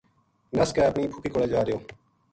نس کے اپنی پھوپھی کولے جا رہیو